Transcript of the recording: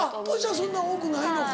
そんな多くないのか。